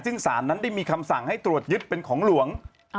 ซึ่งสารนั้นได้มีคำสั่งให้ตรวจยึดเป็นของหลวง